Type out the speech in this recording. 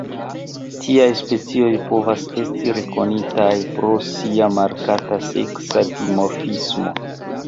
Tiaj specioj povas esti rekonitaj pro sia markata seksa dimorfismo.